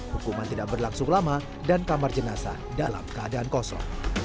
hukuman tidak berlangsung lama dan kamar jenazah dalam keadaan kosong